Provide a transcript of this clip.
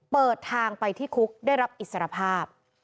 เปิดทางไปที่คุกได้รับอิสรภาพ